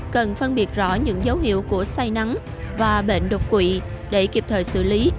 cần phân biệt rõ những dấu hiệu của say nắng và bệnh đột quỵ để kịp thời xử lý